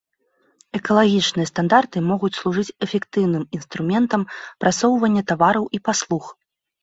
Экалагічныя стандарты могуць служыць эфектыўным інструментам прасоўвання тавараў і паслуг.